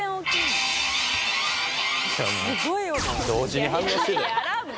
同時に反応してるやん。